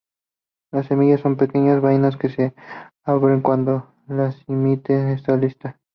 Las semillas son pequeñas vainas, que se abren cuando la simiente está lista.